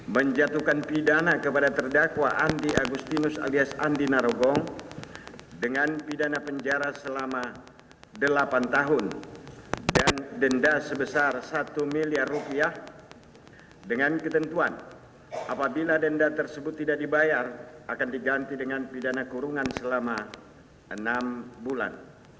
dua menjatuhkan pidana kepada terdakwa andi agustinus alias andi narogong dengan pidana penjara selama delapan tahun dan denda sebesar satu miliar rupiah dengan ketentuan apabila denda tersebut tidak dibayar akan diganti dengan pidana kurungan selama enam bulan